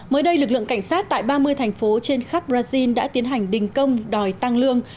mới đây lực lượng cảnh sát tại ba mươi thành phố trên khắp brazil đã tiến hành đình công đòi tăng lương